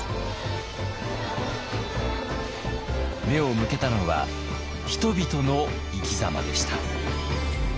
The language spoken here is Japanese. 目を向けたのは人々の生き様でした。